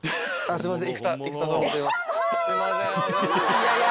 すいません。